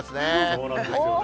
そうなんですよね。